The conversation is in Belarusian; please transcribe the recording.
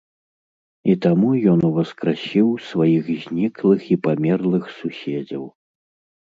І таму ён уваскрасіў сваіх зніклых і памерлых суседзяў.